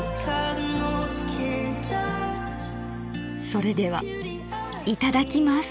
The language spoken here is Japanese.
それではいただきます！